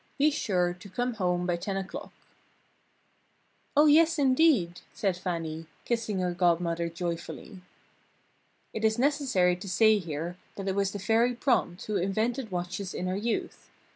Be sure to come home by ten o'clock." "Oh, yes, indeed!" said Fannie, kissing her Godmother joyfully. It is necessary to say here that it was the Fairy Prompt who invented watches in her youth.